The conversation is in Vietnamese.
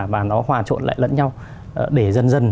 và nó hòa trộn lại lẫn nhau để dần dần